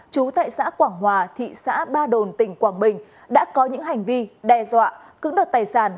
trú tại xã quảng hòa thị xã ba đồn tỉnh quảng bình đã có những hành vi đe dọa cứng đột tài sản